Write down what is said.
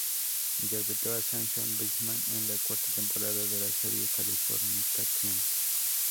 Interpretó a Sasha Bingham en la cuarta temporada de la serie "Californication".